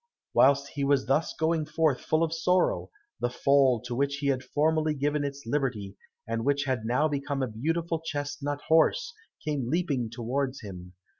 Whilst he was thus going forth full of sorrow, the foal to which he had formerly given its liberty, and which had now become a beautiful chestnut horse, came leaping towards him.